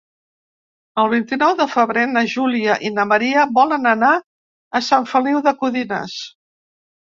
El vint-i-nou de febrer na Júlia i na Maria volen anar a Sant Feliu de Codines.